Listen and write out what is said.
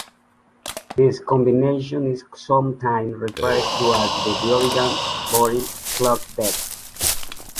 This combination is sometimes referred to as the Biological Body Clock Test.